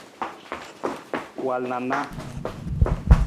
Wal na a na.